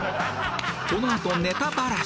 このあとネタバラシ！